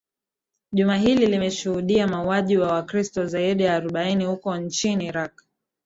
juma hili limeshuhudia mauwaji ya wakristo zaidi ya arobaini huko nchini iraq